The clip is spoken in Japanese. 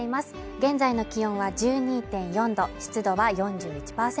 現在の気温は１２．４度湿度は４１％